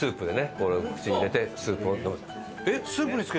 これを口に入れてスープ。